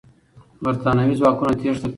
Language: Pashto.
برتانوي ځواکونه تېښته کوي.